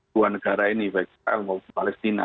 dua negara ini baik israel maupun palestina